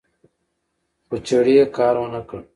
خو چړې کار ونکړ